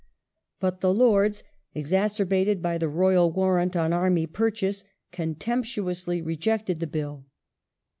But the Lords, exacerbated by the Royal Warrant on Army Purchase, contemptuously rejected the Bill.